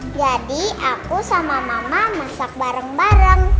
jadi aku sama mama masak bareng bareng